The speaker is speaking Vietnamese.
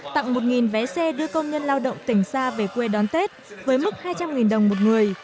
tặng một vé xe đưa công nhân lao động tỉnh xa về quê đón tết với mức hai trăm linh đồng một người